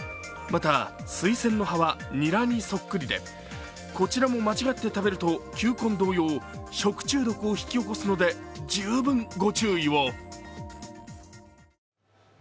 また、スイセンの葉はニラにそっくりで、こちらも間違って食べると球根同様食中毒を引き起こすので十分ご注意を！